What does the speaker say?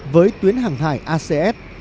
với tuyến hàng hải acs